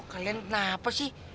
kalian kenapa sih